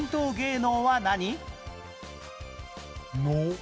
能。